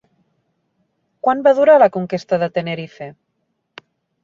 Quant va durar la conquesta de Tenerife?